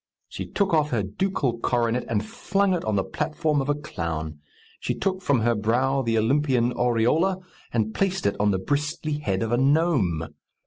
She took off her ducal coronet, and flung it on the platform of a clown! She took from her brow the Olympian aureola, and placed it on the bristly head of a gnome!